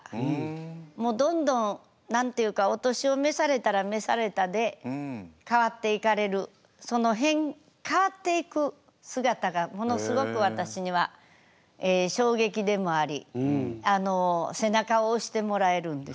もうどんどん何て言うかお年を召されたら召されたで変わっていかれるその変わっていく姿がものすごく私には衝撃でもあり背中を押してもらえるんです。